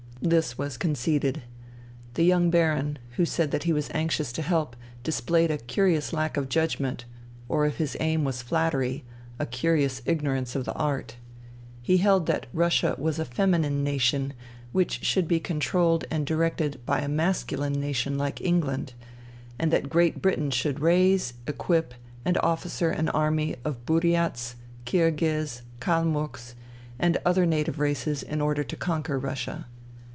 This was conceded. The young Baron, who said that he was anxious to help, displayed a curious lack of judgment, or if his aim was flattery, a curious ignorance of the art. He held that Russia was a *' feminine " nation, which should be controlled and directed by a " masculine " nation like England ; and that Great Britain should raise, equip, and officer an army of Buriats, Khirghiz, Kalmucks, and other native races in order to conquer Russia.